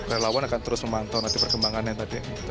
relawan akan terus memantau nanti perkembangannya tadi